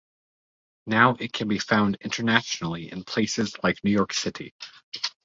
Now it can be found internationally in places like New York City.